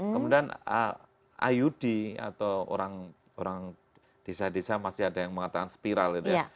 kemudian iud atau orang desa desa masih ada yang mengatakan spiral itu ya